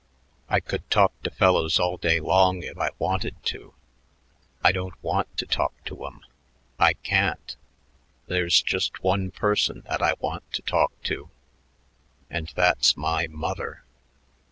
I could talk to fellows all day long if I wanted to. I don't want to talk to 'em. I can't. There's just one person that I want to talk to, and that's my mother."